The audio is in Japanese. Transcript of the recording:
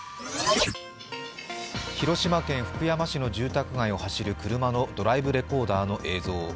広島県福山市の住宅街を走る車のドライブレコーダーの映像。